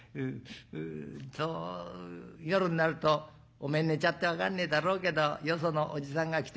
そう夜んなるとおめえ寝ちゃって分かんねえだろうけどよそのおじさんが来て」。